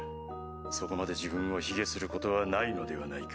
そこまで自分を卑下することはないのではないか？